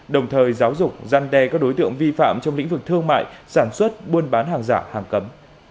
đồng thời giáo dục gian đe các đối tượng vi phạm trong lĩnh vực thương mại sản xuất buôn bán hàng giả hàng cấm